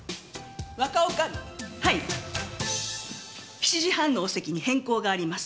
７時半のお席に変更があります。